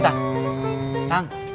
tang turun tang